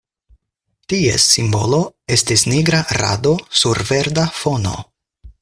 Ties simbolo estis nigra rado sur verda fono.